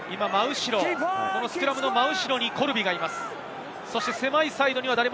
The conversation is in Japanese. スクラムの真後ろにコルビがいます。